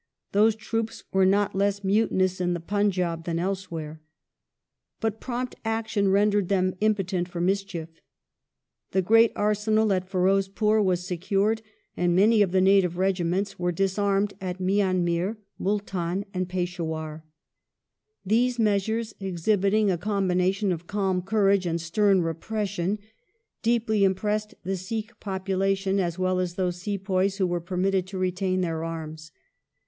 Those troops were not less mutinous in the Punjab than elsewhere. But prompt action rendered them impotent for mischief. The great areenal at Firozpur was secured, and many of the native regiments were disarmed at Mian Mir, Multdn, and Peshdwar. These mea sures— exhibiting a combination of calm courage and stem repres sion— deeply impressed the Sikh population as well as those sepoys who were permitted to retain their arms.